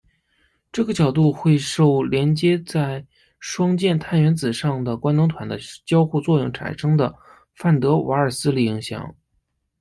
这个角度会受连接在双键碳原子上的官能团的交互作用产生的范德瓦耳斯力影响。